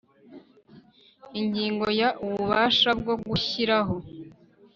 Ingingo ya Ububasha bwo gushyiraho